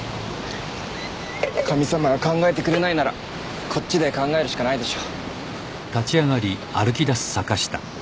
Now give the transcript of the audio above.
神様が考えてくれないならこっちで考えるしかないでしょ。